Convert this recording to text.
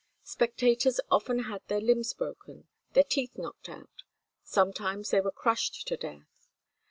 Spectators often had their limbs broken, their teeth knocked out, sometimes they were crushed to death.